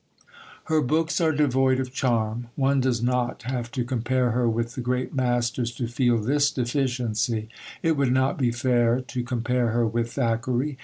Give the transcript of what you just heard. Her books are devoid of charm. One does not have to compare her with the great masters to feel this deficiency; it would not be fair to compare her with Thackeray.